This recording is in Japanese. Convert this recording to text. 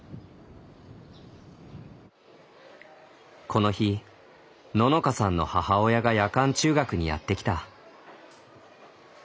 この日ののかさんの母親が夜間中学にやって来た。